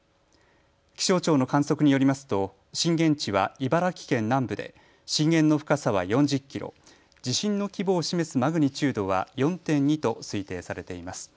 気象庁の観測によりますと震源地は茨城県南部で震源の深さは４０キロ、地震の規模を示すマグニチュードは４．２と推定されています。